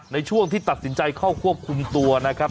ในช่วงที่ตัดสินใจเข้าควบคุมตัวนะครับ